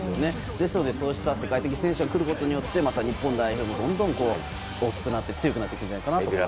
ですので、世界的選手が来ることによってまた日本代表もどんどん大きくなって強くなっていくんじゃないかなと思います。